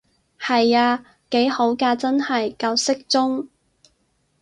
係啊，幾好㗎真係，夠適中